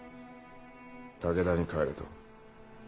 武田に帰れと。